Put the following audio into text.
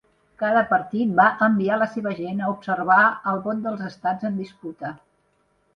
Cada partit va enviar la seva gent a observar el vot dels estats en disputa.